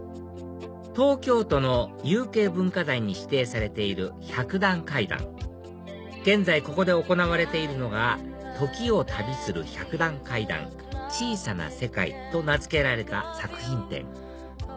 東京都の有形文化財に指定されている百段階段現在ここで行われているのが「時を旅する百段階段ちいさな世界」と名付けられた作品展